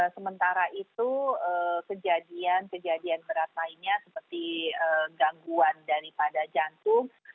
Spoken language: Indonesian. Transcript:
sementara itu kejadian kejadian berat lainnya seperti gangguan daripada jantung